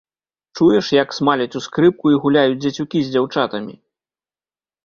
Чуеш, як смаляць у скрыпку і гуляюць дзецюкі з дзяўчатамі?